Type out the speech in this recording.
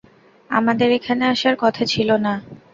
আমাদের এখানে আসার কথা ছিল না।